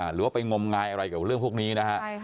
หรือว่าไปงมงายอะไรกับเรื่องพวกนี้นะฮะ